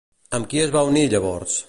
Amb qui es va unir llavors?